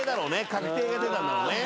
確定が出たんだろうね。